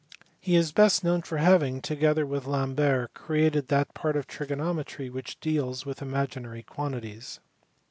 He is best known for having, together with Lambert, created that part of trigonometry which deals with imaginary quantities.